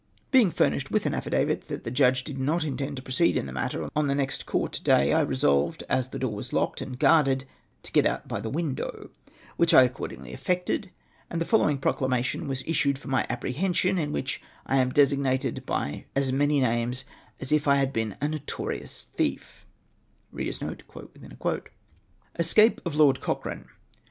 Being furnished vdth an affidavit that the judge did not intend to proceed in the matter on the next Coiut day, I resolved, as the door was locked and guarded, to get out by the window, which I according effected ; and tlie following proclamation was issued for my apprehension, in which I am designated by as man}^ names as if I had been a notorious thief: —•"' Escape of Lord Cocheake.